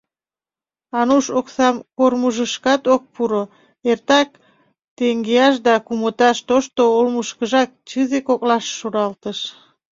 Ануш оксам, кормыжышкат ок пуро — эртак теҥгеаш да кумыташ, тошто олмышкыжак, чызе коклаш, шуралтыш.